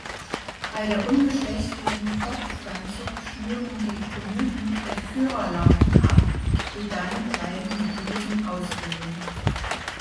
Bei der ungeschlechtlichen Fortpflanzung schnüren die Polypen Ephyra-Larven ab, die dann kleine Medusen ausbilden.